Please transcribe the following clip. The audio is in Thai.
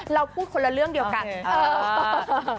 เราพูดคนละเรื่องเดียวกัน